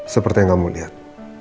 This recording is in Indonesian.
seperti yang kamu lihat